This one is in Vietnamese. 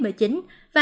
và các bệnh viện